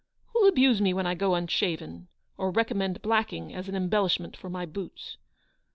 Who'll abuse me when I go unshaven, or recommend blacking as an embellishment for my boots